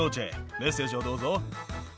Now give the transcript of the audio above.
メッセージをどうぞ。